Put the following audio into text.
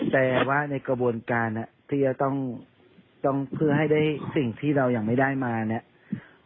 แต่ว่าในกระบวนการที่จะต้องเพื่อให้ได้สิ่งที่เรายังไม่ได้มาเนี่ย